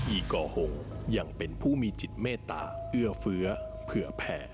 อีกอหงยังเป็นผู้มีจิตเมตตาเอื้อเฟื้อเผื่อแผ่